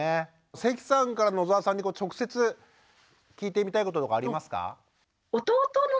関さんから野澤さんに直接聞いてみたいこととかありますか？